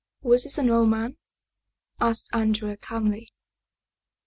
"" Was he an old man ?" asked Andrea calmly.